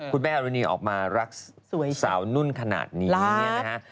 คุณแม่อรุณีออกมารักสาวนุ่นขนาดนี้เนี่ยนะฮะ